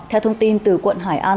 theo thông tin từ quận hải an